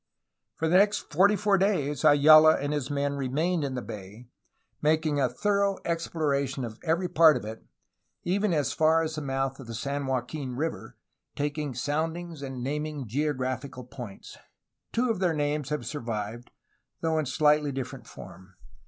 For the next forty four days Ayala and his men remained in the bay, making a thorough exploration of every part of it, even as far as the mouth of the San Joaquin River, taking soundings and naming geographical points. Two of their names have survived, though in slightly different form.